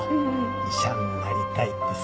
「医者になりたい」ってさ。